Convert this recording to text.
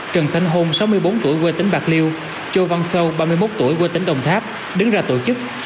trần thanh hôn sáu mươi bốn tuổi quê tính bạc liêu châu văn sâu ba mươi một tuổi quê tính đồng tháp đứng ra tổ chức